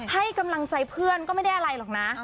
ให้กำลังใจเพื่อนก็ไม่ได้อะไรหรอกนะ